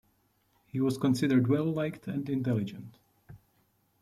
He was considered well-liked and intelligent.